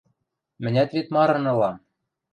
Мӹнят вет марын ылам.